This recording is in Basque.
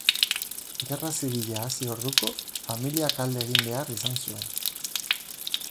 Gerra Zibila hasi orduko familiak alde egin behar izan zuen